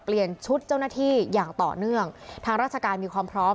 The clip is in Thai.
เปลี่ยนชุดเจ้าหน้าที่อย่างต่อเนื่องทางราชการมีความพร้อม